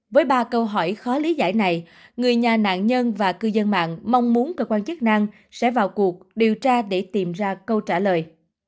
với ba câu hỏi khó lý giải này người nhà nạn nhân và cư dân mạng mong muốn cơ quan chức năng sẽ vào cuộc điều tra để tìm ra câu trả lời